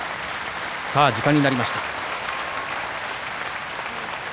さあ時間になりました。